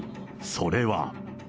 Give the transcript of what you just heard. それは。